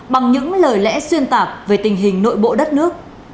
bằng những lời lẽ xuyên tạc về tình hình nội bộ đất nước